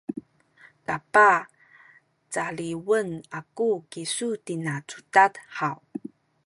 kapah caliwen aku kisu tina cudad haw?